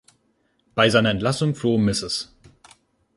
Bei seiner Entlassung floh Mrs.